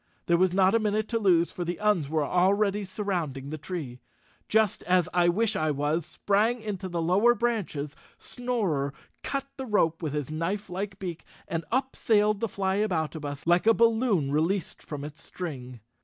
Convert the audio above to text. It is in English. There was not a minute to lose, for the Uns were already surrounding the tree. Just as I wish I was sprang into the lower branches, Snorer cut the rope with his knifelike beak and up sailed the Flyaboutabus like a balloon released from its string.